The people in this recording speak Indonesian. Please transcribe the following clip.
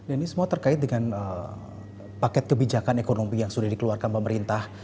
ini semua terkait dengan paket kebijakan ekonomi yang sudah dikeluarkan pemerintah